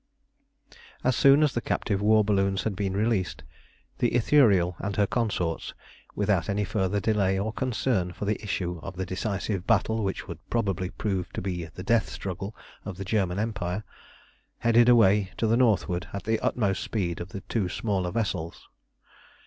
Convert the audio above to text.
As soon as the captive war balloons had been released, the Ithuriel and her consorts, without any further delay or concern for the issue of the decisive battle which would probably prove to be the death struggle of the German Empire, headed away to the northward at the utmost speed of the two smaller vessels.